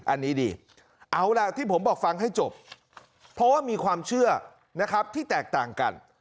อันนี้ดีเอาล่ะที่ผมบอกฟังให้จบเพราะว่ามีความเชื่อนะครับที่แตกต่างกัน